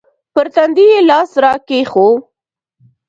پر تندي يې لاس راکښېښوو.